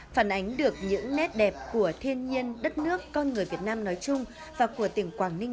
phản ánh được những nét đẹp của thiên nhiên đất nước con người việt nam nói chung và của tỉnh quảng ninh